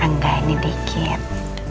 enggak ini dikit